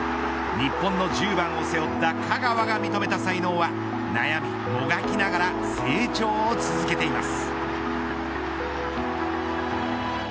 日本の１０番を背負った香川が認めた才能は悩み、もがきながら成長を続けています。